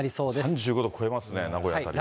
３５度超えますね、名古屋辺りはね。